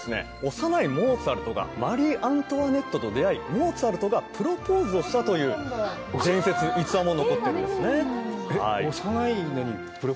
幼いモーツァルトがマリー・アントワネットと出会いモーツァルトがプロポーズをしたという伝説逸話も残ってるんですね